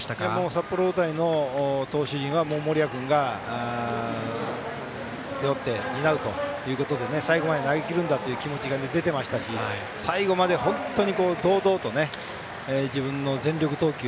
札幌大谷の投球陣は森谷君が背負って、担うということで最後まで投げきるんだという気持ちが出ていましたし最後まで本当に堂々と自分の全力投球。